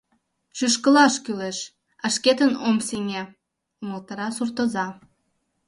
— Шӱшкылаш кӱлеш, а шкетын ом сеҥе, — умылтара суртоза.